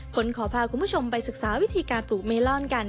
ขอพาคุณผู้ชมไปศึกษาวิธีการปลูกเมลอนกัน